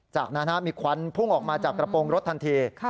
จากนั้นมีควันพุ่งออกมาจากกระโปรงรถทันที